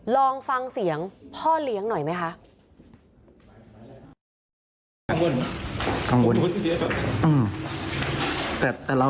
ลองฟังเสียงพ่อเลี้ยงหน่อยไหมคะ